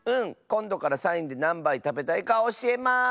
こんどからサインでなんばいたべたいかおしえます！